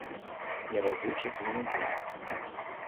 Не разлучаць ні на дзень.